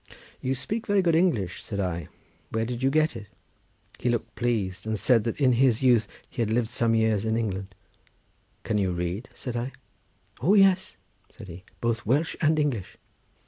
"You speak very good English," said I; "where did you get it?" He looked pleased, and said that in his youth he had lived some years in England. "Can you read?" said I. "O yes," said he, "both Welsh and English."